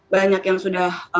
banyak yang sudah